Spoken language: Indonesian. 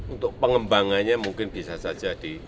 untuk pengembangannya mungkin bisa saja di